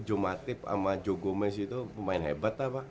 joe matip sama joe gomez itu pemain hebat apa